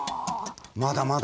まだまだ。